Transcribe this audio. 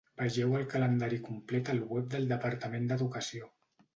Vegeu el calendari complet al web del Departament d'Educació.